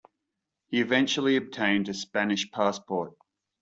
He eventually obtained a Spanish passport.